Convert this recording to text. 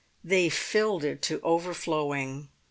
They filled it to overflowing.